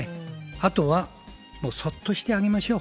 あとは、もうそっとしてあげましょう。